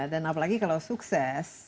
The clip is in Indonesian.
dan apalagi kalau sukses